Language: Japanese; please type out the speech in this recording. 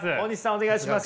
お願いします。